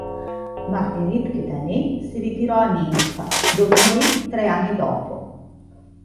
Marguerite Caetani si ritirò a Ninfa, dove morì tre anni dopo.